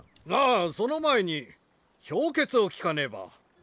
ああその前に評決を聞かねば。